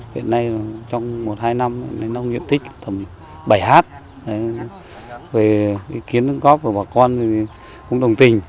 hiện nay trong một hai năm nông nghiệp tích tầm bảy hát về ý kiến góp của bà con cũng đồng tình